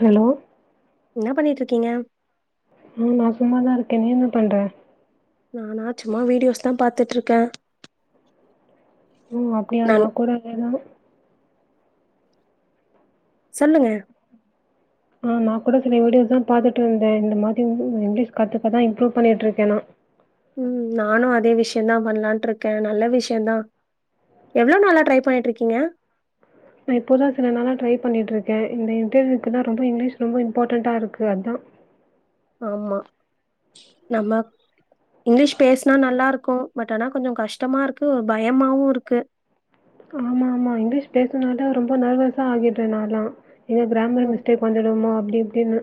Hello என்ன பண்ணிட்டு இருக்கீங்க ஆ நா சும்மா தா இருக்கே நீ என்ன பண்ற நானா சும்மா வீடியோஸ் தா பாத்துட்டுருக்க ஓ அப்டியா நான் நா கூட அங்க என்னமோ சொல்லுங்க ஆ நா கூட சில வீடியோஸ் தா பாத்துட்டு இருந்தே இந்த மாரி இங்கிலீஷ் கத்துக்கதா இம்ப்ரூவ் பண்ணிட்டுருக்கே நா ம் நானு அதே விஷ்ய தா பண்லான்ட்டு இருக்கே நல்ல விஷய தா எவ்ளோ நாளா ட்ரை பண்ணிட்யிருகீங்க நா இப்போதா சில நாளா ட்ரை பண்ணிட்டுருக்க இந்த இந்த இதுவுக்கு தா ரொம்ப இங்கிலிஷ் ரொம்ப இம்பாட்டண்ட்டா இருக்கு அதா ஆம்மா நம்ம இங்கிலீஷ் பேசனா நல்லாயிருக்கு பட் ஆனா கொஞ்ச கஷ்டமா இருக்கு ஒரு பயமாவு இருக்கு ஆமா ஆமா இங்கிலீஷ் பேசுனாதா ரொம்ப நர்வஸா ஆகிட்ற நா லா எ கிராமர் ம் மிஸ்டேக் வந்துருமோ அப்டி இப்டின்னு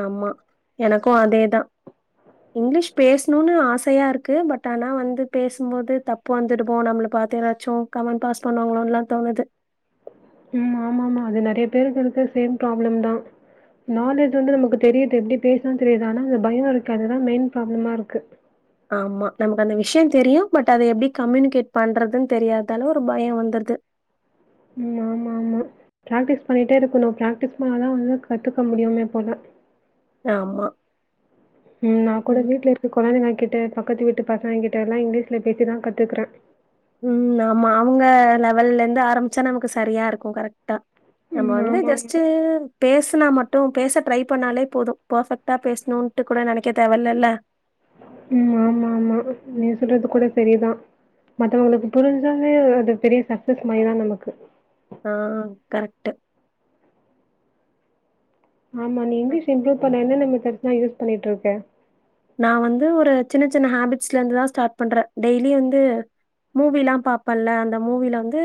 ஆமா எனக்கு அதேதா இங்கிலீஷ் பேசனூன்னு ஆசையா இருக்கு பட் ஆனா வந்து பேசும்போது தப் ப்பு வந்துடுமே நம்மள பாத்து யதாச்சு கமன் பாஸ் பண்ணுவாங்களோ எல்லா தோனுது ம் ஆமா ஆமா அது நெறய பேருக்கு இருக்கு சேம் ப்ராப்ளம் தா நாலேஜ் வந்து நமக்கு தெரியுது எப்டி பேசுன் தெரிது ஆனா அந்த பயம் இருக்கு அதா மெயின் ப்ராப்ளமா இருக்கு ஆமா நமக்கு அந்த விஷ்யோ தெரியு பட் அத எப்டி கம்யூனிகேட் பண்றதுன் தெரியாத்தால ஒரு பயம் வந்துர்து ம் ஆமா ஆமா பிராக்டிஸ் பண்ணிட்டே இருக்கணு ப்ராக்டிஸ் பண்ண தா வந்து கத்துக்க முடியுமே போல ஆமா ம் நா கூட வீட்ல இருக்க கொழந்தைங்கிட்ட பக்கத்து வீட்டு பசங்க கிட்ட எல்லா இங்கிலீஷ்ல பேசிதா கத்துக்ற ம் ஆமா அவூங்க லெவல்ல இருந்து ஆரம்ச்சா நமக்கு சரியா இருக்கு கரெ க்ட்டா நம்ம ம். வந்து ஆமாமா. ஜஸ்ட்டு பேஸ்னா மட்டு பேச ட்ரை பண்ணாலே போது பர்ஃபெக்ட்டா பேசணுன்ட்டு கூட நெனைக்க தேவயில்லல ம் ஆமா ஆமா நீ சொல்றது கூட சரிதா மத்தவங்களுக்கு புரிஞ்சாவே அது பெரிய சக்சஸ் மாரிதா நமக்கு ஆ கரெக்ட்டு ஆமா நீ இங்கிலீஷ் இம்ப்ரூவ் பண்ண என்னன்ன மெத்தட்ஸ்லா யூஸ் பண்ணிட்ருக்க நா வந்து ஒரு சின்ன சின்ன ஹேபிட்ஸ்ல இருந்துதா ஸ்டார்ட் பண்ற டெய்லியு வந்து மூவில்லா பாப்பல்ல அந்த மூவில வந்து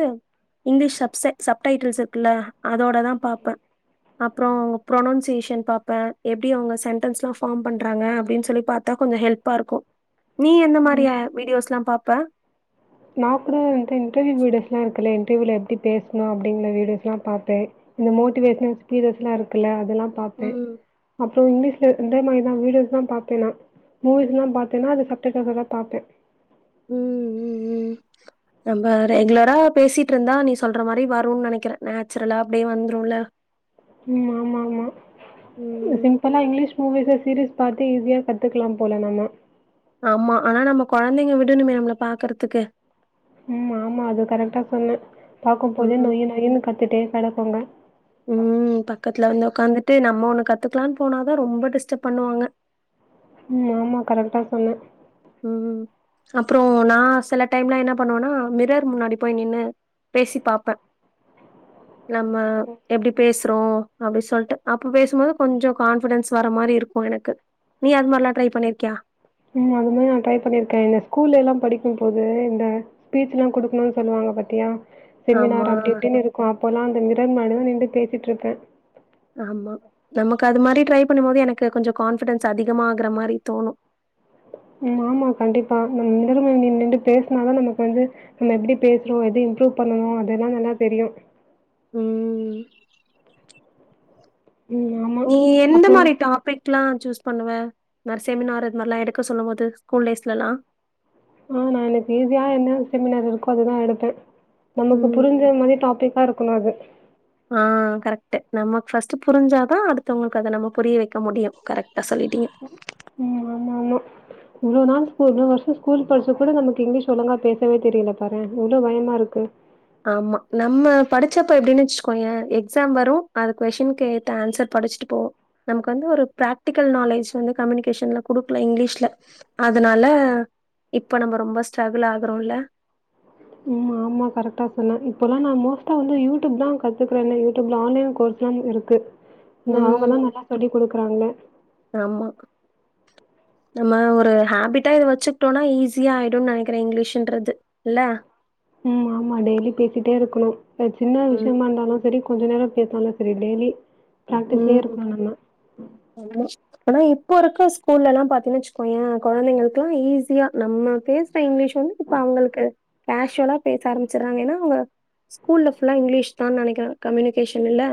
இங்கிலீஷ் ஷப் சே சப் டைட்டில்ஸ் இருக்குல அதோட தா பாப்ப அப்றோ அவுங்க ப்ரொனன்சியேஷன் பாப்ப எப்டி அவுங்க சென்டன்ஸ்லா ஃஅபார்ம் பண்றாங்க அப்டின் சொல் சொல்லி பாத்தா கொஞ்சோ ஹெல்ப்பா இருக்கு நீ எந்த மாரி ம். வீடியோஸ்லா பாப்ப நா கூட இந்த இன்டர்வியூ வீடியோஸ்லா இருக்குல இன்டர்வியூல எப்டி பேசணு அப்டிங்கிற வீடியோஸ்லா பாப்பே இந்த மோட்டிவேஷ்னல் ஸ்பீசஸ்ல்லா இருக்குல்ல அதல்லா ம் பாப்பே அப்றோ இங்கிலீஷ்ல இந்தே மாரிதா வீடியோஸ்தா பாப்பே நா மூவிஸ்லா பாத்தன்னா அது சப்டக்காகதா பாப்பே ம் ம் ம் நம்ம ரெகுலரா பேசிட்ருந்தா நீ சொல்ற மாரி வருன் நெனக்கிற நேச்சுரலா அப்டியே வந்துருல ம் ஆமா ஆமா ம் சிம்பிளா இங்கிலீஷ் மூவிஸ் சீரிஸ் பாத்து ஈஸியா கத்துக்லா போல நம்ம ஆமா ஆனா நம்ம கொழந்தைங்க விடணுமே நம்மள பாக்கறதுக்கு ம் ஆமா அது கரெக்டா சொன்ன பாக்கும் போதே ம் நொய் நொய்ன்னு கத்திட்டே கெடக்குங்க ம் பக்கத்துல வந்து உக்காந்துட்டு நம்ம ஒண்ணு கத்துக்லான் போனாதா ரொம்ப டிஸ்டப் பண்ணுவாங்க ம் ஆமா கரெக்டா சொன்ன ம் அப்றோ நா சில டைம்ல என்ன பண்ணுவனா மிரர் முன்னாடி போய் நின்னு பேசி பாப்ப நம்ம எப்டி பேசுறோ அப்டி சொல்ட்டு அப்ப பேசும்போது கொஞ்சோ கான்பிடென்ஸ் வர மாரி இருக்கு எனக்கு நீ அது மார்லா ட்ரை பண்ணிருக்கியா ம் அது மாரி நா ட்ரை பண்ணிருக்கே இந்த ஸ்கூல் எல்லா படிக்கும்போது இந்த ஸ்பீச்லா குடுக்ணுன் சொல்லுவாங்க பாத்தியா செமினார் ஆமா அப்டி இப்டின் இருக்கு அப்போல்லா அந்த மிரர் முன்னடிதா நின்டு பேசிட்ருப்பே ஆமா நமக்கு அது மாரி ட்ரை பண்ணு போது எனக்கு கொஞ்சோ கான்பிடன்ஸ் அதிகமா ஆகற மாரி தோணு ம் ஆமா கண்டிப்பா நம் மிரர் முன் நின் நின்டு பேஸ்னாதா நமக்கு வந்து நம்ம எப்டி பேசுறோ எது இம்ப்ரூவ் பண்ணணு அதல்லா நல்லா தெரியு ம் ம் ஆமா. நீ எந்த அப்புறம் மாரி டாப்பி க்லா சூஸ் பண்ணுவ இந்த செமினார் இது மாரிலா எடுக்க சொல்லும்போது ஸ்கூல் டேஸ்லலா ஆ நா எனக்கு ஈஸியா என்ன செமினார் இருக்கோ அதுதா எடுப்பே நமக்கு ம். புரிஞ்ச மாரி டாபிக்கா இருக்கணு அது ஆ கரெக்ட்டு நமக்கு ஃபஸ்ட்டு புரிஞ்சாதா அடுத்தவுங்களுக்கு அத நம்ம புரிய வைக்க முடியு கரெக்டா சொல்லிட்டீங்க ம் ஆமா ஆமா இவ்ளோ நாள் ஸ்கூ இவ்ளோ வருஷோ ஸ்கூல் படிச்சு கூட நமக்கு இங்கிலீஷ் ஒழுங்கா பேசவே தெரிலப் பாரே எவ்ளோ பயமாருக்கு ஆமா நம்ம படிச்சப்ப எப்டின் வெச்கோயே எக்ஸாம் வரு அது கொஸ்டின் கேத் த ஆன்சர் படிச்ட்டு போவோ நமக்கு வந்து ஒரு பிராக்டிக்கல் நாலேஜ் வந்து கம்யூனிகேஷன்ல குடுக்ல இங்லீஷ்ல அதனால இப்ப நம்ப ரொம்ப ஸ்ட்ரகுள் ஆகுறோல்ல ம் ஆமா கரெட்டா சொன்னே இப்போலா நா மோஸ்ட்டா வந்து யூடியூப்தா கத்துக்றனே யூடியூப்ல ஆன்லைன் கோர்ஸ்லாம் இருக்கு இந்த அவுங்கதா ம். நல்லா சொல்லி குடுக்றாங்க ஆமா நம்ம ஒரு ஹாபிட்டா இத வெச்சுக்ட்டோனா ஈஸியா ஆயிடுன் நெனைக்றே இங்கிலிஷுன்றது இல்ல மாமா டெய்லி பேசிட்டே இருக்குணு அத் சின்ன ம். விஷ்யமாந்தாலு செரி கொஞ்ச நேரோ பேச்னாலு செரி டெய்லி பிராக்டிஸ்லயே ம் இருக்கணும் நம்ம. ஆமா ஆனா இப்ப இருக்க ஸ்கூல்லெலாம் பாத்தீன் வெச்கோயே கொழந்தைங்கள்க்லா ஈஸியா நம்ம பேசற இங்கிலீஷ் வந்து இப்ப அவுங்களுக்கு கேஷுவலா பேச ஆரம்பிச்சர்றாங்க எனா வுங்க ஸ்கூல்ல ஃபுல்லா இங்கிலிஷ்தா நெனைக்கறே கம்யூனிகேஷனில்ல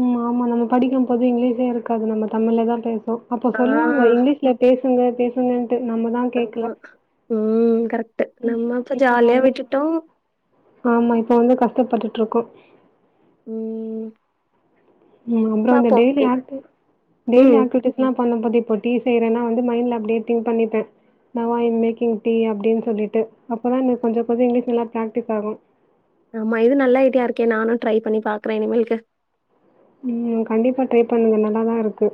ம் ஆமா நம்ம படிக்கம் போது இங்கிலீஷே இருக்காது நம்ம தமிழ்லதாம் பேசோ அப்போ ஆ. சொல்லுவாங்க இங்கிலீஷ்லப் பேசுங்க பேசுங்க ட்டு நம்மதா ஆமா ம் கரெக்ட்டு நம்ம இப்ப இப்போ ஜாலியா வந்து விட்டுட்டோ ஆமா இப்ப வந்து கஷ்டப்பட்டுட்ருக்கோ ம் ம் அப்றோ இந்த பார்ப்போம். டெய்லு யாருத்து டெய்லி ம். ஆக்டிவிட்டீஸ் லாம் பண்ணம்போது இப்போ டீ செய்றேனா வந்து மைண்ட்ல அப்டியே திங் பண்ணிப்பே நவ் ஐம் மேக்கிங் டீ அப்டின் சொல்லிட்டு அப்பதா எனக் கொஞ்சோ கொஞ்சோ இங்கிலீஷ் நல்லாப் பிராக்டிஸ் ஆகு ஆமா இது நல்லாயிட்டியா இருக்கே நானு ட்ரைப் பண்ணி பாக்றே இனிமேல்க்கு ம் கண்டிப்பா ட்ரைப் பண்ணுங்க நல்லாதா இருக்கு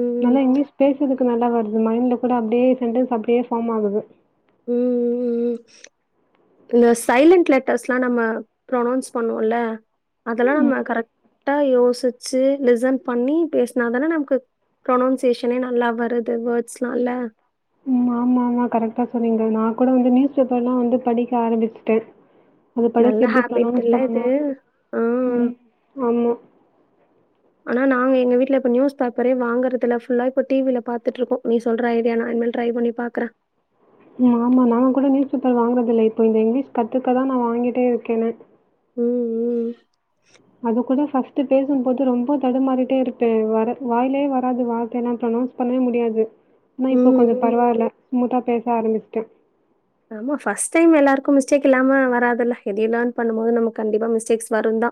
ம். நல்லா இங்கிலீஷ் பேசதுக்கு சு நல்லா வருது மைண்லக்கூட அப்டே சென்டன்ஸ் அப்டியே ஃபார்ம் ஆகுது ம் ம் ம் இந்த சைலன்ட் லெட்டர்ஸ்லா நம்ம ப்ரொனௌன்ஸ் பண்ணுவோல்ல அதலா நம்ம ம். கரெக்ட்டா யோசிச்சு லிசன் பண்ணி பேச்னாதானே நம்க்கு ப்ரொனோன்ஷேஷனே நல்லா வருது வேர்ட்ஸ்லா இல்ல ம் மா மா மா கரெக்ட்டா சொன்னீங்க நா கூட வந்து நியூஸ் பேப்பர்லா வந்து படிக்க ஆரம்பிச்டே அதப் நல்ல படிச்சு எப்டி ஹேபிட் ப்ரொனோன்ஷ் இல்ல இது. பண்ணணுன்னு ஆ. ம் ஆமா ஆனா நாங்க எங்க வீட்ல இப்ப நியூஸ் பேப்பரே வாங்கறதில்ல ஃபுல்லா இப்ப டி வில பாத்துட்ருக்கோ நீ சொல்ற ஐடியா நா இன்மேல் ட்ரை பண்ணி பாக்றே ம் மாமா நாங்க கூட நியூஸ் பேப்பர வாங்றதில்லே இப்போ இந்த இங்கிலீஷ் கத்துக்கதா நா வாங்கிட்டே இருக்கேனே ம் ம் அது கூட ஃபர்ஸ்ட்டு பேசும்போது ரொம்ப தடுமாறிட்டே இருப்பே வர வாயிலே வராது வார்த்த நாப் ப்ரொனோன்ஸ் பண்ணவே முடியாது ஆனா இப்போ ம் கொஞ்சம் ம். பரவால ஸ்மூத்தா பேச ஆரம்பிச்டே ஆமா ஃபர்ஸ்ட் டைம் எல்லாருக்கும் மிஸ்டேக் இல்லாம வராதுல்ல எதியு லேர்ன் பண்ணும்மோது நமக் கண்டிப்பா மிஸ்டேக்ஸ் வருந்தா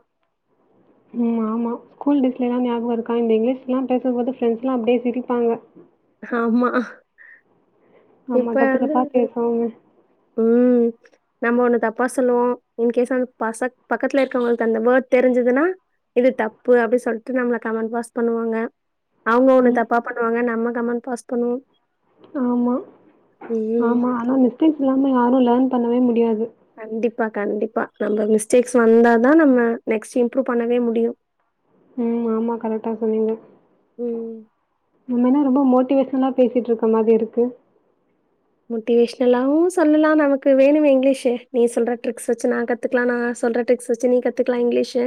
ம் ஆமா ஸ்கூல் டேஸ்லிலா ஞாபகோ இருக்கா இந்த இங்கிலீஷ்லாம் பேசபோது ஃப்ரெண்ட்ஸ்லா அப்டியே சிரிப்பாங்க ஆமா ஆமா. இப்ப தப்பு வந்து தப்பா பேசுவோமே. ம் நம்ம ஒன்னு தப்பா சொல்லுவோ இன்கேஸ் அந் பசக் பக்கத்ல இருக்கவுங்கள்க்கு அந்த வேர்ட் தெரிஞ்சதுனா இது தப்பு அப்டி சொல்ட்டு நம்மள கமெண்ட் பாக்ஸ் பண்ணுவாங்க அவங்க ஒண்ணு ம். தப்பா பண்ணுவாங்க நம்ம கம்மான்ஸ் பாஸ் பண்ணுவோ ஆமா ம். ஆமா ஆனா மிஸ்டேக்ஸ் இல்லாம யாருமே லேர்ன் பண்ணவே முடியாது கண்டிப்பா கண்டிப்பா நம்ம மிஸ்டேக்ஸ் வந்தாதா நம்ம நெக்ஸ்ட் இம்ப்ரூவ் பண்ணவே முடியு ம் ஆமா கரெக்டா சொன்னிங்க உம் நம்ம என்னா ரொம்ப மோட்டிவேஷன்லா பேசிட்டு இருக்க மாரி இருக்கு மோட்டிவேஷ்னலாவு சொல்லலா நமக்கு வேணுமே இங்கிலீஷு நீ சொல்ற ட்ரிக்ஸ் வச்சு நா கத் கத்துக்லா நா சொல்ற ட்ரிக்ஸ் வச்சு நீ கத்துக்லா இங்கிலீஷு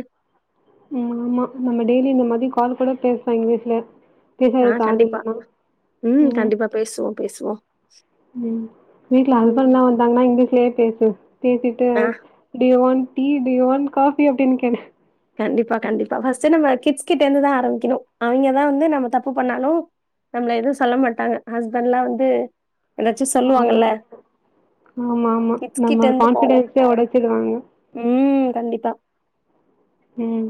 உம் ஆமா நம்ம டெய்லி இந்த மாரி கால் கூட பேசலா இங்க வீட்ல ஆ பேசுறதுக்கு ஆள் இல்லன்னா உம் பேசுவோ பேசுவோ உம் வீட்டுல ஹஸ்பண்ட்லா வந்தாங்கனா இங்கிலீஷ்லயே பேசு பேசிட்டு ஆ do you want tea do you want coffee அப்டின்னு கேளு கண்டிப்பா கண்டிப்பா ஃபர்ஸ்ட் நம்ம கிட்ஸ் கிட்ட இருந்துதா ஆரம்பிக்கணு அவிங்கதா வந்து நம்ம தப்பு பண்ணாலு நம்மள எதுவு சொல்ல மாட்டாங்க ஹஸ்பண்ட்லா வந்து ஏதாச்சும் ஆமா சொல்லுவாங்கல்ல. ஆமா ஆமா கிட்ஸ் நம்ம கான்ஃபிடென்ஸியே உடச்சிருவாங்க உம் கண்டிப்பா உம்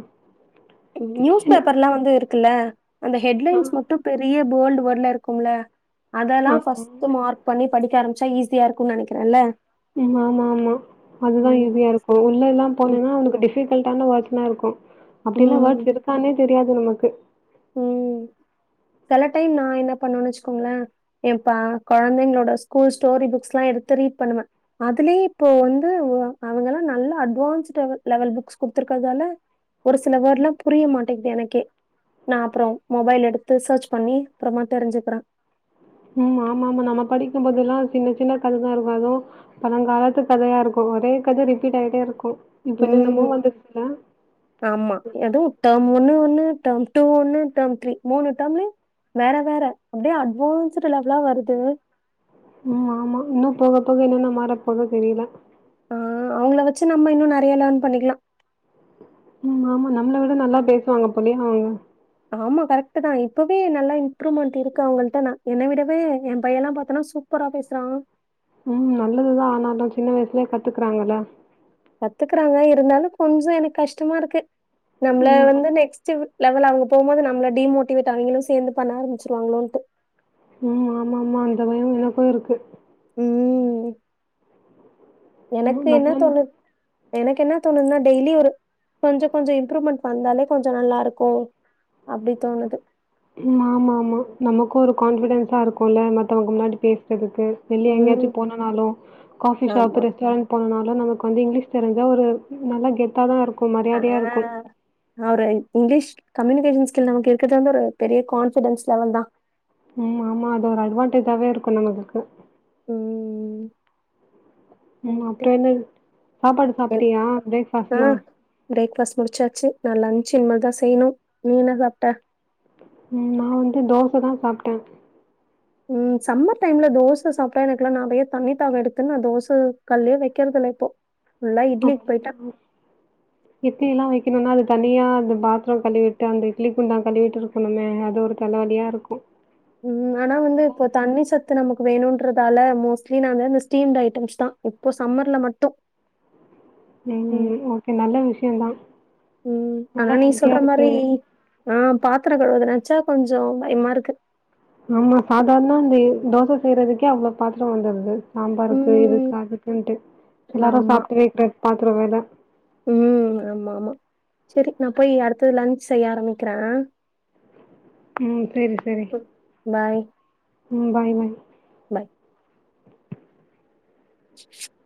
நியூஸ் பேப்பர்ல்லா வந்து இருக்குல்ல அந்த ஹெட்லைன்ஸ் மட்டு பெரிய போல்டு வேர்ட்ல இருக்கும்ல ஆ அதெல்லா ஆமா ஃபஸ்ட் மார்க் பண்ணி படிக்க ஆரம்பிச்சா ஈஸியா இருக்குன்னு நெனைக்கிறேல்ல ஆமா ஆமா அதுதா ஈஸியா இருக்கு உள்ளல்லா ம், போனின்னா அவளுக்கு டிஃபி கல்டான வொர்க்லா இருக்கு அப்டில்லா வோர்ட்ஸ் ம், இருக்கானே தெரியாது நமக்கு ம். சில டைம் நா என்ன பண்னுவேனு வச்சுக்கோங்களே எப்பா கொழந்தைங்களோட ஸ்கூல் ஸ்டோரி புக்ஸ்ல்லா எடுத்து ரீட் பண்ணுவே அதுலியே இப்போ வந்து அவங்கலா நல்ல அட்வான்ஸ்ட் லெவல் புக்ஸ் குடுத்துருக்கதால ஒரு சில வேர்ட்ல்லா புரிய மாட்டேங்குது எனக்கே நா அப்புறோ மொபைல் எடுத்து சர்ச் பண்ணி அப்பறமா தெரிஞ்சுக்கிறே உம் ஆமா ஆமா நம்ம படிக்கும் போதெல்லா சின்ன சின்ன கததா இருக்கு அதா பழங்காலத்து கதையா இருக்கு ஒரே கத ரிப்பீட் ஆயிட்டே இருக்கு இப்ப என்னன்னமோ ம். வந்துச்சுல ஆமா எதுவு ட்ர்ம் ஒண்ணு ஒண்ணு ட்ர்ம் டூ ஒண்ணு ட்ர்ம் த்ரீ மூணு ட்ர்ம்லயு வேற வேற அப்டியே அட்வான்ஸ்ட் லெவலா வருது உம் ஆமா இன்னு போக போக என்னென்ன மாறப்போதோ தெரில ஆ அவங்கள வச்சு நம்ம இன்னு நெறைய லேர்ன் பண்ணிக்கலா ம் ஆமா நம்மள விட நல்லா பேசுவாங்க போலியே அவங் ஆமா கரெக்ட் தா இப்பவே நல்லா இம்ப்ரூவ்மெண்ட் இருக்கு அவங்கள்ட நா என்ன விடவே என் பையல்லா பாத்தேனா சூப் சூப்பரா பேசுறா உம் நல்லதுதா ஆனாலு சின்ன வயசுலயே கத்துக்குறாங்கல கத்துக்கறாங்க இருந்தாலு கொஞ்சொ எனக்கு கஷ்டமா இருக்கு நம்மள ம் வந்து ஆமா. நெக்ஸ்ட்டு லெவல் அவங்க போம்போது நம்ம டிமோட்டிவேட் அவிங்களு சேந்து பண்ண ஆரம்பிச்சிரு வாங்களோன்ட்டு ம் ஆமா ஆமா அந்த பயோ எனக்கு இருக்கு உம் எனக்கு ம் என்ன நம்ம தோணு எனக்கு என்ன தோணுதுன்னா டெய்லி ஒரு கொஞ்ச கொஞ்ச இம்ப்ரூவ்மெண்ட் வந்தாலே கொஞ்ச நல்லா இருக்கு அப்டி தோணுது ம் ஆமா ஆமா நமக்கு ஒரு கான்ஃபிடென்டா இருக்கும்ல மத்தவங்க முன்னாடி பேசுறதுக்கு வெளிய எங்கையாச்சு உம் போனுனால காபி ஷாப் ஆமா ரெஸ்டாரண்ட் போனனால நமக்கு வந்து இங்கிலீஷ் தெரிஞ்சா ஒரு நல்ல கெத்தாதா இருக் ஆ நா ஒரு இங்கிலீஷ் கம்யூனிகேஷன் ஸ்கில் நமக்கு இருக்கிறது வந்து ஒரு பெரிய கான்ஃபிடன்ஸ் லெவல் தா ம் ஆமா அது ஒரு அட்வான்டேஜாவே இருக்கூ நம்மளுக்கு ம் ம் அப்றோ என்ன சாப்பாடு சாப்பிட்டியா ஆ பிரேக்பாஸ்ட்ல்லா பிரேக்ஃபாஸ்ட் முடிச்சாச்சு நா லன்ச் இனிமேல்தா செய்யணு நீ என்ன சாப்ட்ட ம் நா வந்து தோச தா சாப்ட்ட ம் சம்மர் டைம்ல தோச சாப்ட்டா எனக்குல்லா நெறைய தண்ணி தாகோ எடுத்து நா தோச கல்லயே வைக்கிறதுல இப்போ புல்லா இட்லிக்கு போயிட்ட இட்லி எல்லா வைக்கணும்னா அது தனியா அது பாத்திர கழுவிட்டு அந்த இட்லி குண்டா கழுவிட்டு இருக் இன்னுமே அது ஒரு தலைவலியா இருக்கு ம் ஆனா வந்து இப்ப தண்ணி சத் து நமக்கு வேணும்ன்றதால மோஸ்ட்லி நாங்க ஸ்டீம்டு ஐட்டம்ஸ் தா இப்ப இந்த சம்மர்ல மட்டு ம் ஓகே நல்ல விஷயந்தா ம் ஆனா நீ சொல்ற மாரி ஆ பாத்திர கழுவுறத நெனச்சா கொஞ்ச பயமா இருக்கு ஆமா சாதாரணா இந்த தோச செய்றதுக்கே அவ்ள பாத்திர வந்திருது சாம்பாருக்கு ம் இதுக்கு அதுக்குண்ட்டு எல்லாரு ஆமா. சாப்டு வக்கிற பாத்திர வேற ம் ஆமா ஆமா சரி நா போய் அடுத்து லஞ்ச் செய்ய ஆரமிக்கிற ம் சரி சரி ம் பாய். ம் பாய் பாய் பாய் [inaudible]